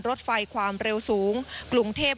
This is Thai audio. รถไฟความเร็วสูงกรุงเทพ